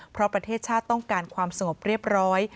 เพราะประเทศชาติต้องการความสงบเรียบร้อย